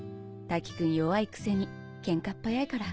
瀧くん弱いくせにケンカっ早いから。